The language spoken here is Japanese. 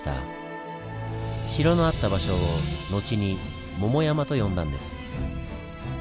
城のあった場所を後に「桃山」と呼んだんです。